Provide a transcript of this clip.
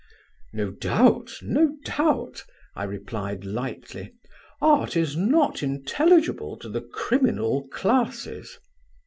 "'No doubt, no doubt,' I replied lightly; 'art is not intelligible to the criminal classes.'